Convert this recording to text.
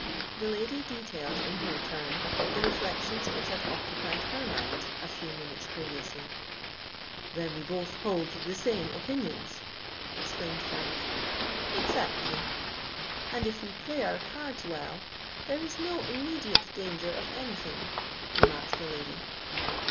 The lady detailed, in her turn, the reflections which had occupied her mind a few minutes previously. "Then we both hold the same opinions?" exclaimed Frank. "Exactly. And if we play our cards well, there is no immediate danger of any thing," remarked the lady.